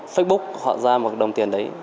facebook họ ra một đồng tiền đấy